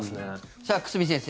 さあ、久住先生